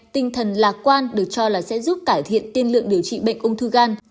tinh thần lạc quan được cho là sẽ giúp cải thiện tiên lượng điều trị bệnh ung thư gan